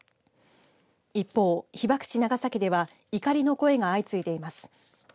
一方、被爆地長崎では怒りの声が相次いでいます。